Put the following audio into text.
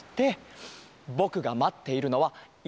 ぼくがまっているのはいきものさ。